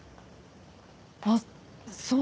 あっそう。